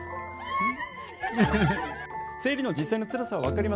うん。